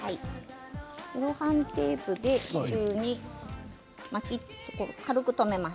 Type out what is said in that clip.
セロハンテープで支柱に軽く留めます。